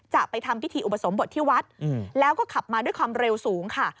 จะไปทำพิธีอุปสมบทที่วัดแล้วก็ขับมาด้วยความเร็วสูงค่ะ